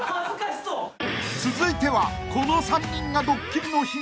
［続いてはこの３人がドッキリの被害に］